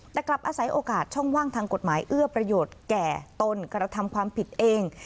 แต่กลับอาศัยโอกาสช่องว่างทางกฎหมายเอื้อประโยชน์แก่ตนกระทำความผิดเอง